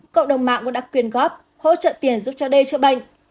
cộng đồng mạng cũng đã quyền góp hỗ trợ tiền giúp cho đê chữa bệnh